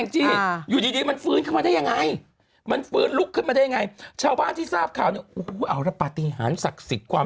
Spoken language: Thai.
นี่ไม่มีไม้พรีบอีก